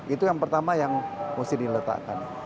itu yang pertama yang mesti diletakkan